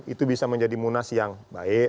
itu bisa menjadi munas yang baik